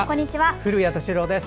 古谷敏郎です。